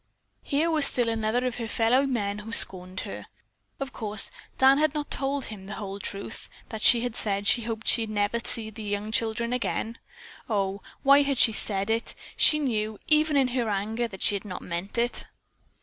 Here was still another of her fellow men who scorned her. Of course, Dan had not told him the whole truth, that she had said she hoped she never again would see the children. Oh, why had she said it? She knew, even in her anger, that she had not meant it.